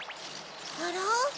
あら？